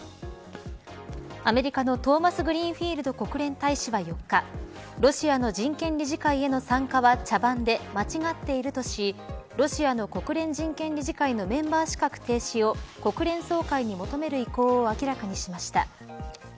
アメリカのトーマスグリーンフィールド国連大使は４日ロシアの人権理事会への参加は茶番で間違っているとしロシアの国連人権理事会のメンバー資格停止を国連総会に求める意向を明らかにしました。